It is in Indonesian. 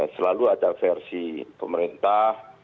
selalu ada versi pemerintah